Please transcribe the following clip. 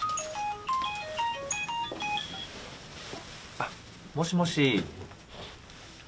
あもしもし。